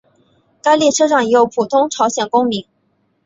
该列车上也有普通朝鲜公民。